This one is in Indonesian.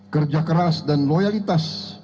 kerja keras dan loyalitas